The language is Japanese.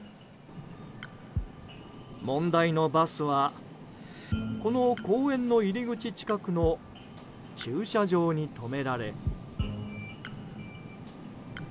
問題のバスはこの公園の入り口近くの駐車場に止められ。